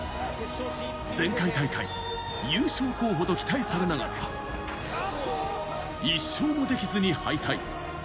前回大会、優勝候補と期待されながら、１勝もできずに敗退。